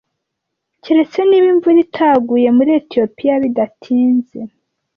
Keretse niba imvura itaguye muri Etiyopiya bidatinze,